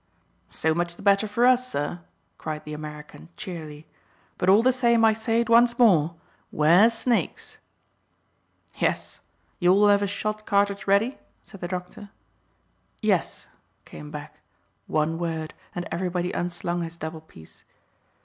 "So much the better for us, sir," cried the American cheerily; "but all the same I say it once more 'Ware snakes." "Yes: you all have a shot cartridge ready?" said the doctor. "Yes," came back one word, and everybody unslung his double piece.